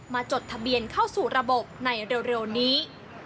จดทะเบียนเข้าสู่ระบบในเร็วนี้